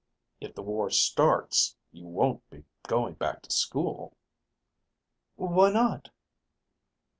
"If the war starts, you won't be going back to school." "Why not?"